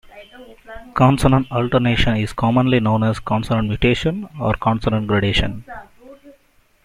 Consonant alternation is commonly known as consonant mutation or consonant gradation.